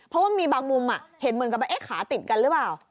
เพราะว่ามีบางมุมเห็นเหมือนกับว่าขาติดกันหรือเปล่า